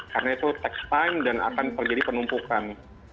karena itu takes time dan akan menjadi penumpukan